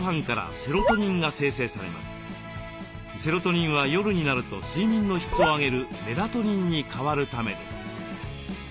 セロトニンは夜になると睡眠の質を上げるメラトニンに変わるためです。